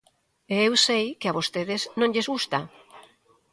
E eu sei que a vostedes non lles gusta.